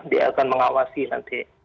dia akan mengawasi nanti